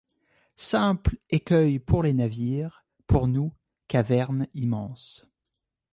Simple écueil pour les navires, pour nous caverne immense.